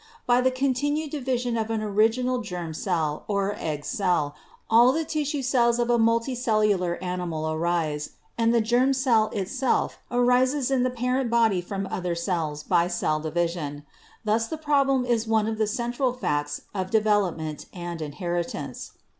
By the continued division of an original germ cell or egg cell all the tissue cells of a multicellular animal arise and the germ cell itself arises in the parent body from other cells by cell division. Thus the problem is one of the central facts of development and inheritance.